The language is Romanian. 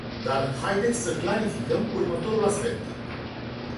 Dar haideți să clarificăm următorul aspect.